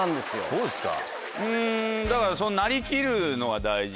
そうですか。